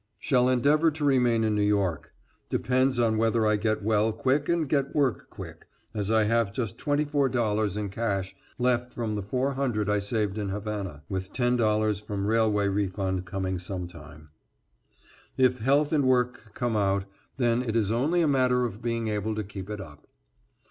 Shall endeavor to remain in New York. Depends on whether I get well quick and get work quick, as I have just $24 in cash left from the $400 I saved in Havana, with $10 from railway refund coming sometime. If health and work come out, then it is only a matter of being able to keep it up.